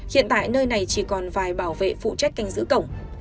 hiện tại nơi này chỉ còn vài bảo vệ phụ trách canh giữ cổng